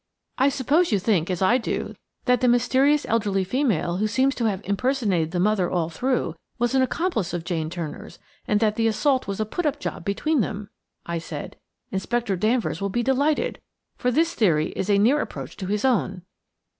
"I suppose you think, as I do, that the mysterious elderly female, who seems to have impersonated the mother all through, was an accomplice of Jane Turner's, and that the assault was a put up job between them," I said. "Inspector Danvers will be delighted–for this theory is a near approach to his own."